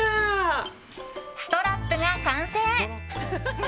ストラップが完成。